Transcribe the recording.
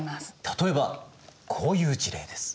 例えばこういう事例です。